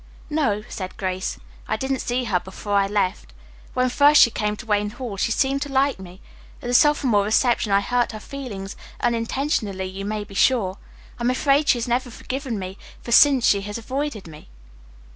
"No," said Grace. "I didn't see her before I left. When first she came to Wayne Hall she seemed to like me. At the sophomore reception I hurt her feelings, unintentionally you may be sure. I am afraid she has never forgiven me, for since then she has avoided me."